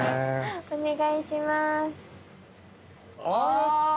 お願いします。